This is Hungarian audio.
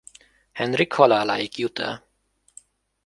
Henrik haláláig jut el.